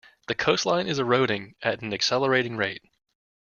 The coastline is eroding at an accelerating rate.